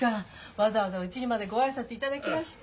わざわざうちにまでご挨拶いただきまして。